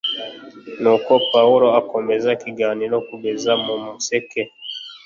nuko pawulo akomeza ikiganiro kugeza mu museke